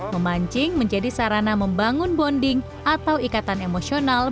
memancing menjadi sarana membangun bonding atau ikan yang lebih baik